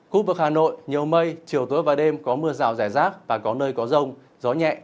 khu vực hà nội nhiều mây chiều tối và đêm có mưa rào rải rác và có nơi có rông gió nhẹ